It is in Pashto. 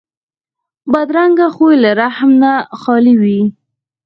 بدرنګه خوی له رحم نه خالي وي